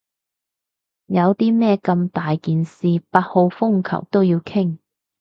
有啲咩咁大件事八號風球都要傾？